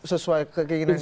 itu keinginan sendiri